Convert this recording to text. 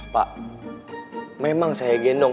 pak memang saya gendong